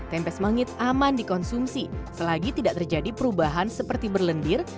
tempe semangit aman dikonsumsi selagi tidak terjadi perubahan seperti berlendir